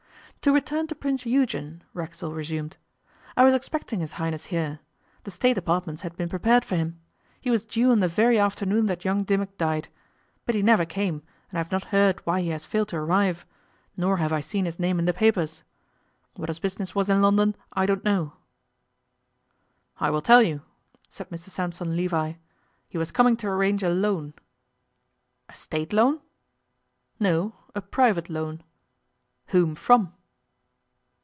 'To return to Prince Eugen,' Racksole resumed. 'I was expecting His Highness here. The State apartments had been prepared for him. He was due on the very afternoon that young Dimmock died. But he never came, and I have not heard why he has failed to arrive; nor have I seen his name in the papers. What his business was in London, I don't know.' 'I will tell you,' said Mr Sampson Levi, 'he was coming to arrange a loan.' 'A State loan?' 'No a private loan.' 'Whom from?